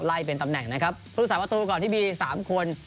ไล่เป็นตำแหน่งนะครับผู้สาประตูก่อนที่มี๓คน